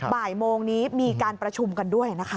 บ่ายโมงนี้มีการประชุมกันด้วยนะคะ